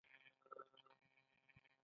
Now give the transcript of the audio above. هغه ورته یو په بل پسې ساسج ورکړل